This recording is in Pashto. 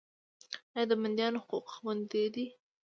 آیا د بندیانو حقوق خوندي دي؟